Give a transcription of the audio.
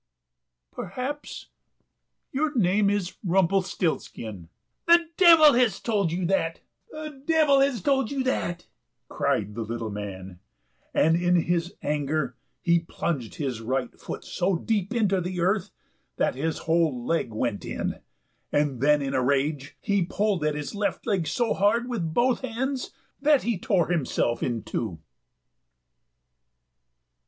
"Perhaps your name is Rumpelstiltskin?" "The devil has told you that! the devil has told you that!" cried the little man, and in his anger he plunged his right foot so deep into the earth that his whole leg went in; and then in rage he pulled at his left leg so hard with both hands that he tore himself in two.